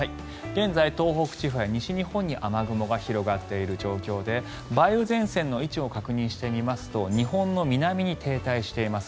現在、東北地方や西日本雨雲が広がっている状況で梅雨前線の位置を確認してみますと日本の南に停滞しています。